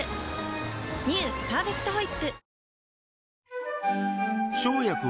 「パーフェクトホイップ」